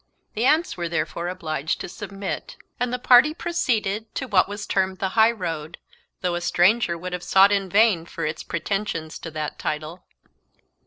The aunts were therefore obliged to submit, and the party proceeded to what was termed the high road, though a stranger would have sought in vain for its pretensions to that title.